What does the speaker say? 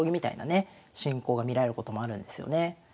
進行が見られることもあるんですよね。